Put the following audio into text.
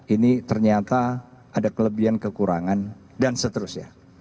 ini ternyata ada kelebihan kekurangan dan seterusnya